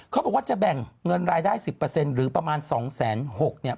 เขาบอกว่าจะแบ่งเงินรายได้๑๐หรือประมาณ๒๖๐๐เนี่ย